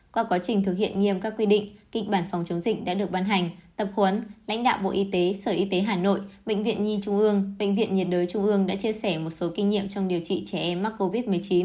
qua quá trình thực hiện nghiêm các quy định kịch bản phòng chống dịch đã được ban hành tập huấn lãnh đạo bộ y tế sở y tế hà nội bệnh viện nhi trung ương bệnh viện nhiệt đới trung ương đã chia sẻ một số kinh nghiệm trong điều trị trẻ em mắc covid một mươi chín